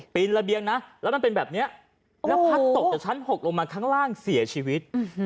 ระเบียงนะแล้วมันเป็นแบบนี้แล้วพัดตกจากชั้น๖ลงมาข้างล่างเสียชีวิต